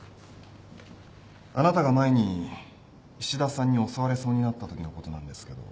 あなたが前に石田さんに襲われそうになったときのことなんですけど。